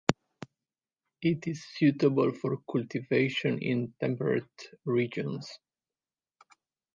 It is suitable for cultivation in temperate regions.